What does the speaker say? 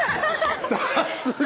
さすが！